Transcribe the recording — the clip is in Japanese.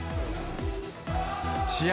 試合